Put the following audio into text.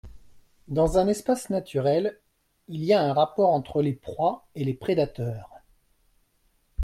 Dans un espace naturel, il y a un rapport entre les proies et les prédateurs.